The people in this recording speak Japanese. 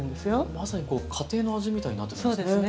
まさに家庭の味みたいになってるんですね。